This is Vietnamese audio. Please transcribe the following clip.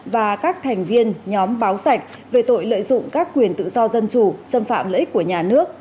và các thành viên nhóm báo sạch về tội lợi dụng các quyền tự do dân chủ xâm phạm lợi ích của nhà nước